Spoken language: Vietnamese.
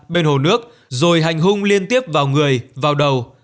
bên hồ nước rồi hành hung liên tiếp vào người vào đầu